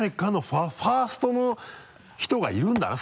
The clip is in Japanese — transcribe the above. ファーストの人がいるんだな